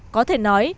có thể nói